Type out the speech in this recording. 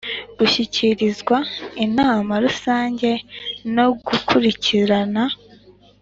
gushyikirizwa Inama Rusange no gukurikirana